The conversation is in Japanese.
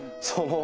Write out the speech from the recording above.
そう。